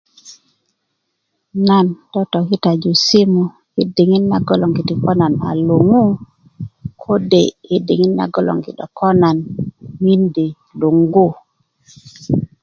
nan totokitaju simu i diŋit nagologiti ko nan a luŋu kode i diŋit ko nan mindi luŋgu